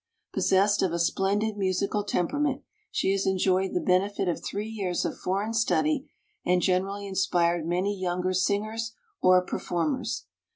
Possessed of a splendid musical temperament, she has enjoyed the benefit of three years of foreign study and generally inspired many younger singers or performers.